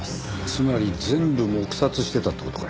つまり全部黙殺してたって事か。